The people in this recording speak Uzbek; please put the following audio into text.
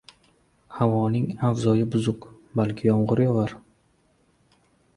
Havoning avzoyi buzuq, balki yomgʻir yogʻar.